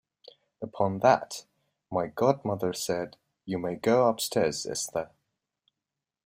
Upon that, my godmother said, "You may go upstairs, Esther!"